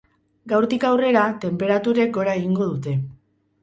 Gaurtik aurrera, tenperaturek gora egingo dute.